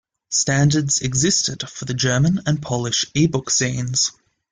Standards existed for the German and Polish ebook scenes.